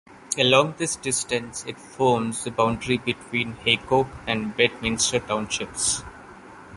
Along this distance it forms the boundary between Haycock and Bedminster Townships.